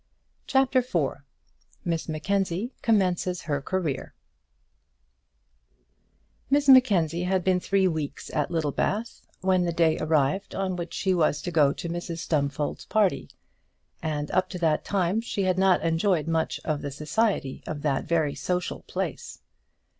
CHAPTER IV Miss Mackenzie Commences Her Career Miss Mackenzie had been three weeks at Littlebath when the day arrived on which she was to go to Mrs Stumfold's party, and up to that time she had not enjoyed much of the society of that very social place.